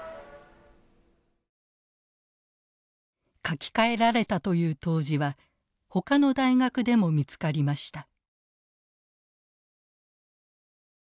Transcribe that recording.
書き換えられたという答辞はほかの大学でも見つかりました。